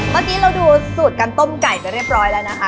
เมื่อกี้เราดูสูตรการต้มไก่ไปเรียบร้อยแล้วนะคะ